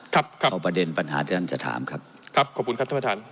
เอาประเด็นปัญหาที่ท่านจะถามครับครับขอบคุณครับท่านประธาน